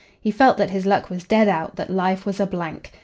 He felt that his luck was dead out, that life was a blank.